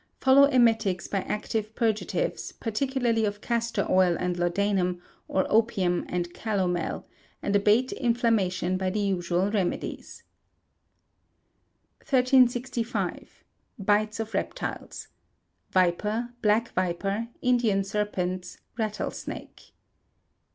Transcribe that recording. Follow emetics by active purgatives, particularly of castor oil and laudanum, or opium and calomel, and abate inflammation by the usual remedies. 1365. Bites of Reptiles. (_Viper; black viper; Indian serpents; rattle snake.